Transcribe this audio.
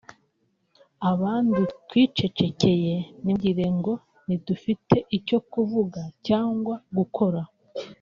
Abandi twicecekeye ntimugire ngo ntidufite icyo kuvuga cg gukora